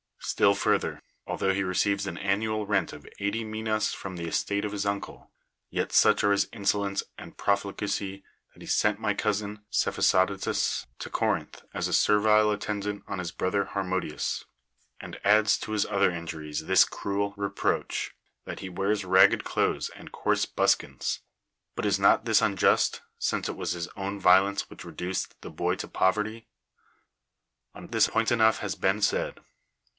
Still further, altho he receives an annual rent of eighty minas from the estate of his uncle, yet such are his insolence and profligacy that he sent my cousin, Cephisodotus, to Corinth as a ser vile attendant on his brother Ilarmodius; and adds to his other injuries this cruel reproach, that he wears ragged clothes and coarse buskins; but is not this unjust, since it was his own vio lence which reduced the boy to poverty? 104 IS^US On this point enough has been said.